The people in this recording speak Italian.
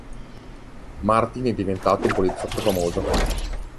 Martin è diventato un poliziotto famoso.